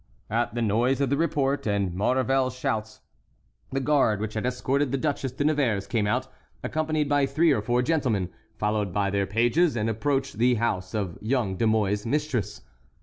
At the noise of the report and Maurevel's shouts, the guard which had escorted the Duchesse de Nevers came out, accompanied by three or four gentlemen, followed by their pages, and approached the house of young De Mouy's mistress.